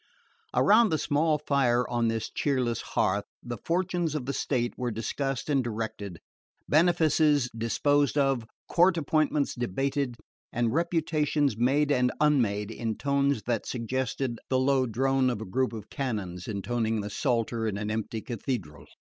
Around the small fire on this cheerless hearth the fortunes of the state were discussed and directed, benefices disposed of, court appointments debated, and reputations made and unmade in tones that suggested the low drone of a group of canons intoning the psalter in an empty cathedral.